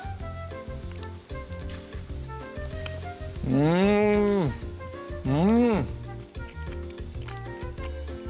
うんうん！